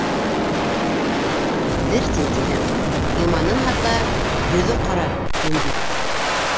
Бер тин тиһәң, иманын һата, йөҙө ҡара, күн бит.